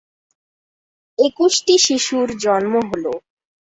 একুশটি শিশুর জন্ম হল।